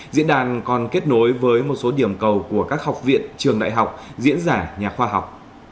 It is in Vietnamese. diễn đàn còn kết nối với một số điểm cầu của các học viện trường đại học diễn giả nhà khoa học